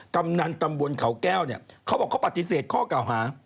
กำนันตำบลเขาแก้วเนี่ยเขาบอกเขาปฏิเสธข้อเก่าหา